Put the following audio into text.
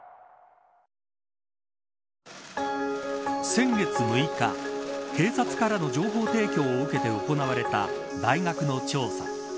先月６日警察からの情報提供を受けて行われた大学の調査